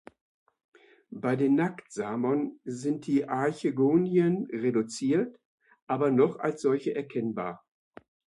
Bei den Nacktsamern sind die Archegonien reduziert, aber noch als solche erkennbar.